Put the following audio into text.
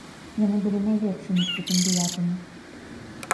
Яны былі найлепшымі стыпендыятамі.